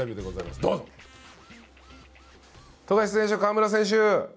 富樫選手、河村選手